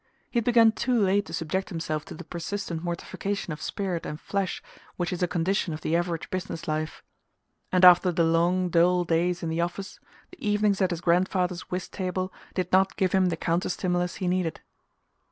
He had begun too late to subject himself to the persistent mortification of spirit and flesh which is a condition of the average business life; and after the long dull days in the office the evenings at his grandfather's whist table did not give him the counter stimulus he needed.